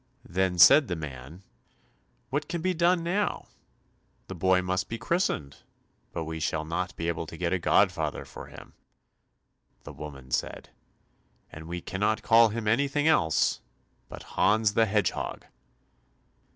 Then said the man, "What can be done now? The boy must be christened, but we shall not be able to get a godfather for him." The woman said, "And we cannot call him anything else but Hans the Hedgehog."